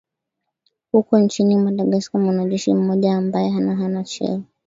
a huko nchini madagascar mwanajeshi mmoja ambaye hana hana cheo